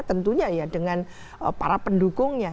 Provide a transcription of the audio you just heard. tentunya dengan para pendukungnya